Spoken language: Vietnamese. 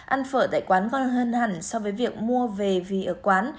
ăn phở tại quán ngon hơn hẳn so với việc mua về vì ở quán